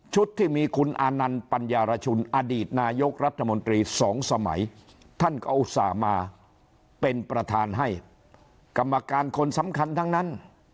ที่มีคุณอานันต์ปัญญารชุนอดีตนายกรัฐมนตรีสองสมัยท่านก็อุตส่าห์มาเป็นประธานให้กรรมการคนสำคัญทั้งนั้น